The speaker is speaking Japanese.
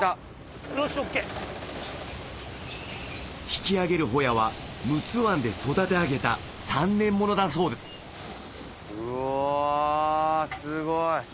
引き揚げるホヤは陸奥湾で育て上げた３年物だそうですうわすごい。